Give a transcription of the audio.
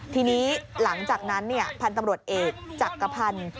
ทีนี้หลังจากนั้นพันธุ์ตำรวจเอกจักรพันธ์